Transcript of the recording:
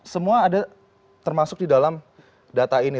semua ada termasuk di dalam data ini